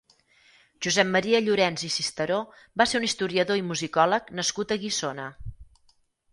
Josep Maria Llorens i Cisteró va ser un historiador i musicòleg nascut a Guissona.